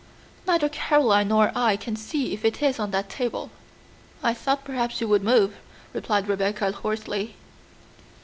Neither Caroline nor I can see if it is on that table." "I thought perhaps you would move," replied Rebecca hoarsely.